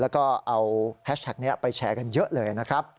แล้วก็เอาแฮชแท็กนี้ไปแชร์กันเยอะเลยนะครับ